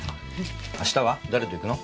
明日は誰と行くの？